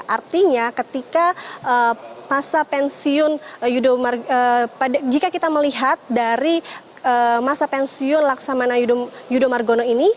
artinya ketika masa pensiun jika kita melihat dari masa pensiun laksamana yudo margono ini